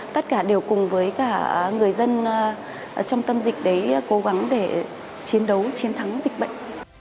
tất cả đều cùng với cả người dân trong tâm dịch đấy cố gắng để chiến đấu chiến thắng dịch bệnh